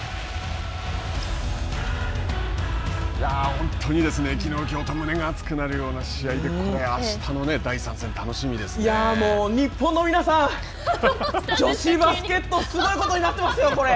本当に、きのう、きょうと胸が熱くなるような試合で、これ、あしたの第３日本の皆さん、女子バスケット、すごいことになっていますよ、これ。